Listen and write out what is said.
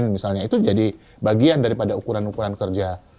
misalnya itu jadi bagian daripada ukuran ukuran kerja